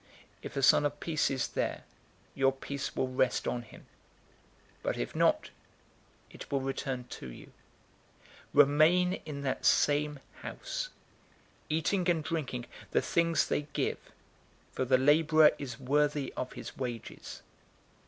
010:006 If a son of peace is there, your peace will rest on him; but if not, it will return to you. 010:007 Remain in that same house, eating and drinking the things they give, for the laborer is worthy of his wages.